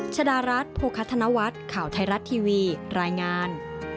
ชดารัฐโภคธนวัฒน์ข่าวไทยรัฐทีวีรายงาน